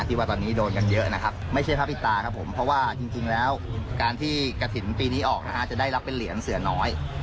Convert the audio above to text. ที่ว่าตอนนี้โดนกันเยอะนะครับไม่ใช่พระพิตาครับผมเพราะว่าจริงแล้วการที่กระถิ่นปีนี้ออกนะฮะจะได้รับเป็นเหรียญเสือน้อย